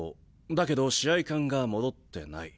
だけど試合勘が戻ってない。